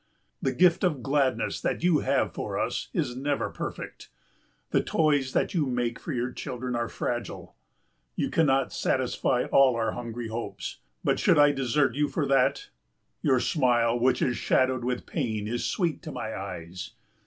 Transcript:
The gift of gladness that you have for us is never perfect. The toys that you make for your children are fragile. You cannot satisfy all our hungry hopes, but should I desert you for that? Your smile which is shadowed with pain is sweet to my eyes.